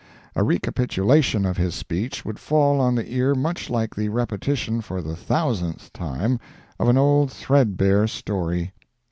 A recapitulation of his speech would fall on the ear much like the repetition for the thousandth time of an old thread bare story.